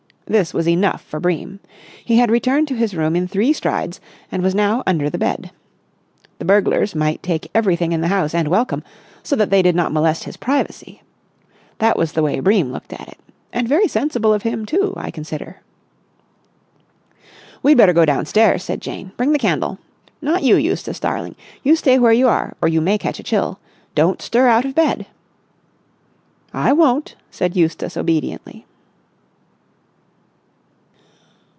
This was enough for Bream. He had returned to his room in three strides, and was now under the bed. The burglars might take everything in the house and welcome, so that they did not molest his privacy. That was the way Bream looked at it. And very sensible of him, too, I consider. "We'd better go downstairs," said Jane. "Bring the candle. Not you, Eustace darling. You stay where you are or you may catch a chill. Don't stir out of bed!" "I won't," said Eustace obediently.